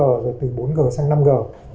rồi từ bốn g sang năm g